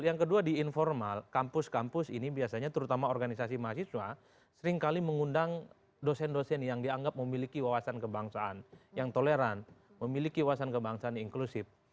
yang kedua di informal kampus kampus ini biasanya terutama organisasi mahasiswa seringkali mengundang dosen dosen yang dianggap memiliki wawasan kebangsaan yang toleran memiliki wawasan kebangsaan inklusif